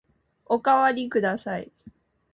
おかわりください。